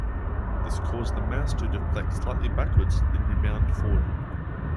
This caused the mast to deflect slightly backwards then rebound forward.